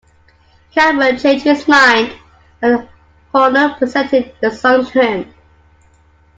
Cameron changed his mind when Horner presented the song to him.